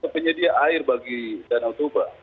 penyedia air bagi danau toba